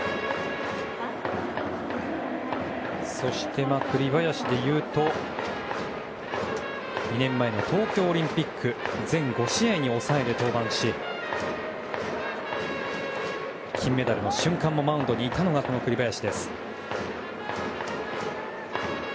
そして、栗林でいうと２年前の東京オリンピック全５試合に抑えで登板し金メダルの瞬間もマウンドにいたのが栗林です。